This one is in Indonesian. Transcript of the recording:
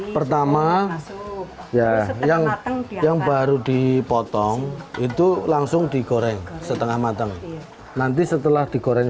pertama ya yang yang baru dipotong itu langsung digoreng setengah matang nanti setelah digoreng